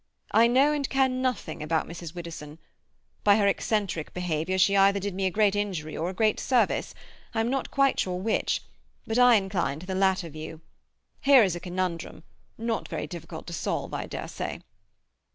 I know and care nothing about Mrs. Widdowson. By her eccentric behaviour she either did me a great injury or a great service, I'm not quite sure which, but I incline to the latter view. Here is a conundrum—not very difficult to solve, I dare say.